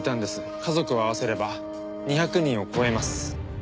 家族を合わせれば２００人を超えます。